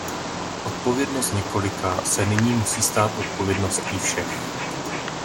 Odpovědnost několika se nyní musí stát odpovědností všech.